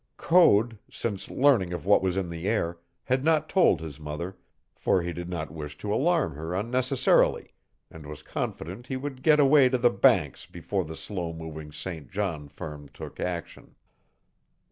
Code, since learning of what was in the air, had not told his mother, for he did not wish to alarm her unnecessarily, and was confident he would get away to the Banks before the slow moving St. John firm took action.